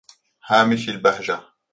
هَامِشَيْ الْبَهْجَةِ